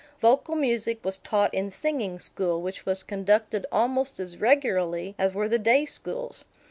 Vocal music was taught in singing school, which was conducted almost as regularly as were the day schools.